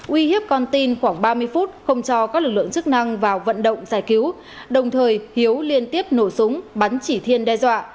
uy hiếp con tin khoảng ba mươi phút không cho các lực lượng chức năng vào vận động giải cứu đồng thời hiếu liên tiếp nổ súng bắn chỉ thiên đe dọa